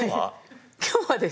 「今日は」です。